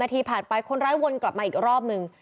นาทีผ่านไปคนร้ายวนกลับมาอีกรอบนึง